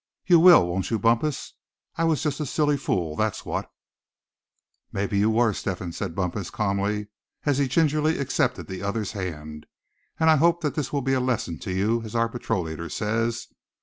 You will, won't you, Bumpus? I was just a silly fool, that's what." "Mebbe you were, Step hen," said Bumpus, calmly, as he gingerly accepted the other's hand; "and I hope that this will be a lesson to you, as our patrol leader says.